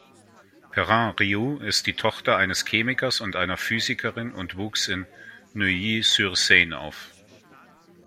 Perrin-Riou ist die Tochter eines Chemikers und einer Physikerin und wuchs in Neuilly-sur-Seine auf.